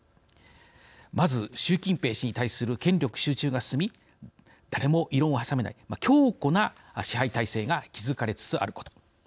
まず、習近平氏に対する権力集中が進み誰も異論を挟めない強固な支配体制が築かれつつあること。